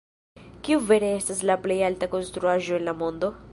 Kiu vere estas la plej alta konstruaĵo en la mondo?